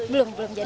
belum belum jadi